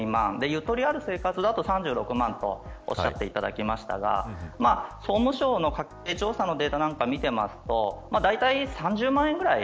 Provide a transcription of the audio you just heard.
ゆとりある生活だと３６万とおっしゃっていただきましたが総務省の調査のデータを見てもだいたい３０万円ぐらい。